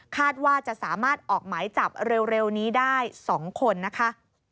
คาดว่าจะสามารถออกหมายจับเร็วนี้ได้๒คนนะคะ